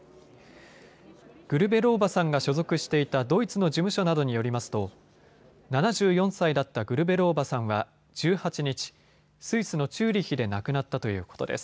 グルベローバさんが所属していたドイツの事務所などによりますと７４歳だったグルベローバさんは１８日、スイスのチューリヒで亡くなったということです。